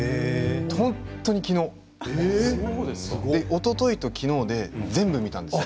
本当にきのうおとといと、きのうで全部見たんですよ。